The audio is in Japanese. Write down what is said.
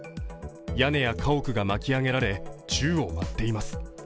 屋根や家屋が巻き上げられ宙を舞っています。